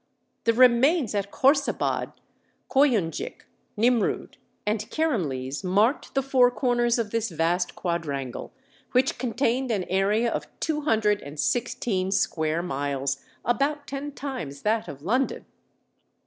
The remains at Khorsabad, Koyunjik, Nimrud, and Keremles marked the four corners of this vast quadrangle, which contained an area of two hundred and sixteen square miles about ten times that of London!